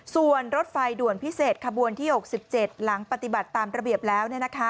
ส่วนรถไฟด่วนพิเศษขบวนที่๖๗หลังปฏิบัติตามระเบียบแล้ว